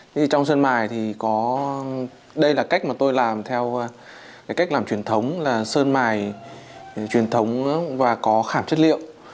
trong sơn mài thì có đây là cách mà tôi làm theo cách làm truyền thống là sơn mài truyền thống và có khảm chất liệu